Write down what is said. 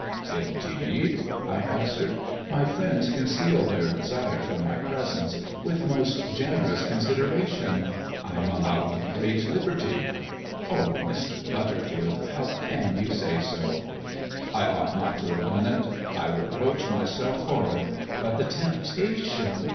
"Indeed?" I answered. "My friends conceal their desire for my presence with most generous consideration. I am allowed great liberty." "Oh, Mr. Butterfield, how can you say so?" I ought not to have done it. I reproach myself for it. But the temptation!